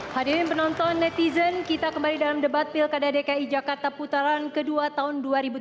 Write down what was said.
hadirin penonton netizen kita kembali dalam debat pilkada dki jakarta putaran kedua tahun dua ribu tujuh belas